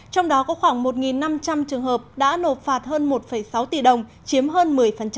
trong đó có khoảng một năm trăm linh trường hợp đã nộp phạt hơn một sáu tỷ đồng chiếm hơn một mươi